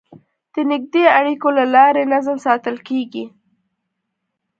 د نږدې اړیکو له لارې نظم ساتل کېږي.